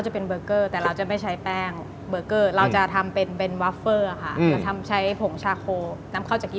โปรดติดตามต่อไป